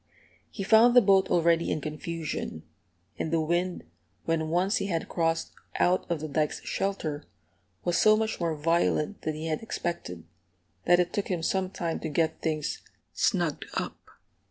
He found the boat already in confusion; and the wind, when once he had crossed out of the dike's shelter, was so much more violent than he had expected, that it took him some time to get things "snugged up."